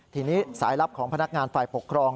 ทีนี้สายลับของพนักงานฝ่ายปกครอง